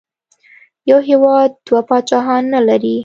یو هېواد دوه پاچاهان نه لري.